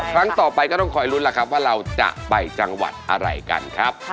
ครั้งต่อไปก็ต้องคอยลุ้นล่ะครับว่าเราจะไปจังหวัดอะไรกันครับ